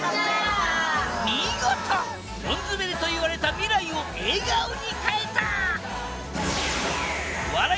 見事ドンズベりといわれた未来を笑顔に変えた！